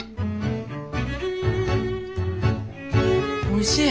おいしい。